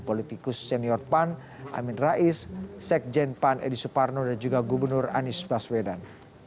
politikus senior pan amin rais sekjen pan edi suparno dan juga gubernur anies baswedan